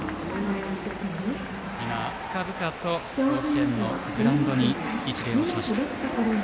深々と甲子園のグラウンドに一礼をしました。